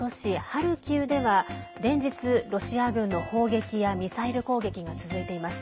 ハルキウでは連日、ロシア軍の砲撃やミサイル攻撃が続いています。